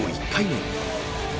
１回目。